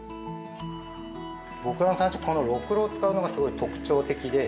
◆僕は最初、このろくろを使うのが特徴的で。